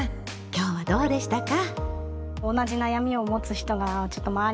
今日はどうでしたか？